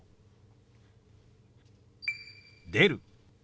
「出る」。